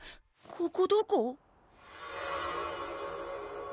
ここどこ？